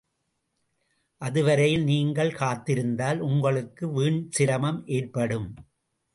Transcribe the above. அதுவரையில் நீங்கள் காத்திருந்தால் உங்களுக்கு வீண் சிரமம் ஏற்படும்.